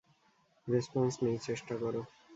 Response নেই চেষ্টা করো।